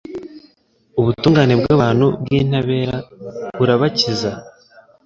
Ubutungane bw’abantu b’intabera burabakiza